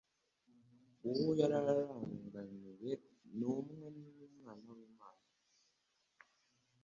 Uwo yari arangamiye ni Umwe ni Umwana w'Imana.